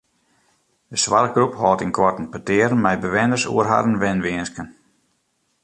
De soarchgroep hâldt ynkoarten petearen mei bewenners oer harren wenwinsken.